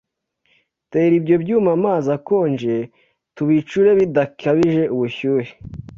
tera ibyo byuma amazi akonje tubicure bidakabije ubushyuhe